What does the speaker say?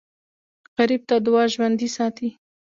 غریب ته دعا ژوندي ساتي